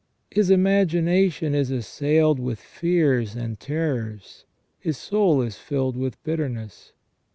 His imagination is assailed with fears and terrors ; his soul is filled with bitterness.